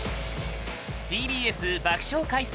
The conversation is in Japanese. ＴＢＳ爆笑回数